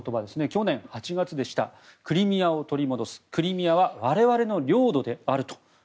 去年８月、クリミアを取り戻すクリミアは我々の領土であると。